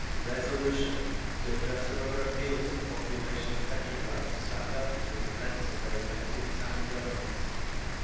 Resolution, to address another appeal to the population of Petrograd to stand up for the defence of their elected town government.